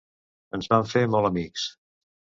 Ens vam fer molt amics.